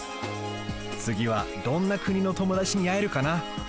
つぎはどんなくにのともだちにあえるかな？